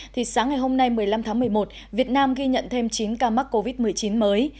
thì sáng ngày hôm nay một mươi năm tháng một mươi một việt nam ghi nhận thêm chín ca mắc covid một mươi chín mới